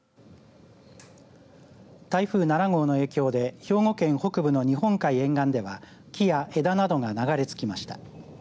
台風７号の影響で兵庫県北部の日本海沿岸では木や枝などが流れ着きました。